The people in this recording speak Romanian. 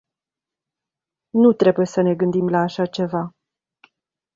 Nu trebuie să ne gândim la așa ceva.